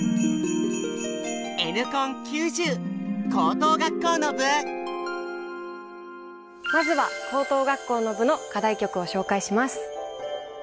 私はまずは高等学校の部の課題曲を紹介します。